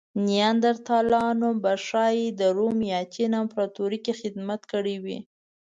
نیاندرتالانو به ښايي د روم یا چین امپراتورۍ کې خدمت کړی وی.